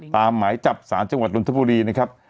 ตามหมายจับศาลจังหวัดลุนทบุรีนะครับ